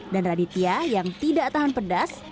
dan raditya yang tidak tahan pedas